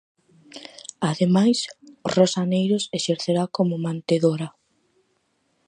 Ademais, Rosa Aneiros exercerá como mantedora.